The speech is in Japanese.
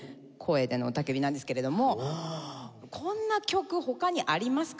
こんな曲他にありますか？